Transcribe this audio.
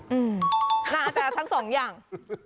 น่าจะทั้งสองอย่าง